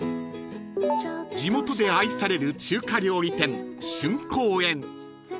［地元で愛される中華料理店春香園］